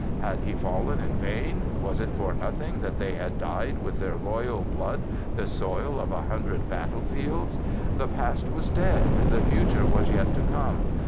Had he fallen in vain? Was it for nothing that they had dyed with their loyal blood the soil of a hundred battlefields? The past was dead, the future was yet to come.